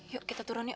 yuk kita turun yuk